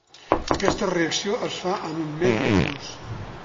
Aquesta reacció es fa en un medi aquós.